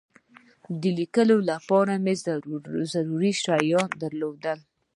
د لیکلو لپاره مې ضروري شیان درلودل.